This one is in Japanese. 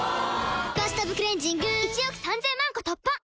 「バスタブクレンジング」１億３０００万個突破！